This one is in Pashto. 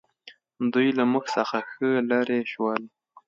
دوی له موږ څخه ښه لرې شول.